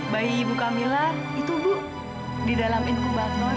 bayi ibu camilla itu bu di dalam inkubator